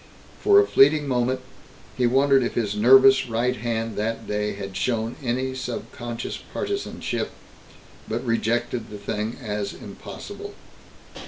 For a fleeting moment, he wondered if his nervous right hand that day had shown any subconscious partisanship, but rejected the thing as impossible.